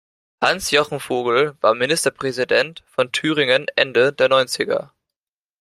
Hans-Jochen Vogel war Ministerpräsident von Thüringen Ende der Neunziger.